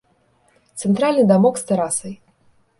Цэнтральны дамок з тэрасай.